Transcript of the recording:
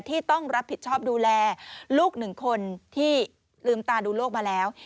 ที่ต้องรับผิดชอบดูแลลูกหนึ่งคนที่ลืมตาดูโลกมาแล้ว